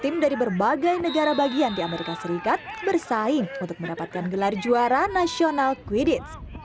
tim dari berbagai negara bagian di amerika serikat bersaing untuk mendapatkan gelar juara nasional quidids